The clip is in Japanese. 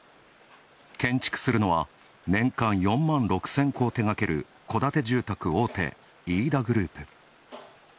建築するのは、年間４万６０００戸を手がける戸建て住宅大手、飯田グループ。